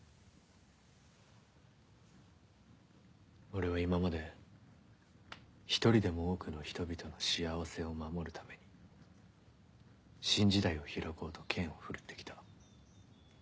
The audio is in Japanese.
俺は今まで１人でも多くの人々の幸せを守るために新時代を開こうと剣を振るって来た。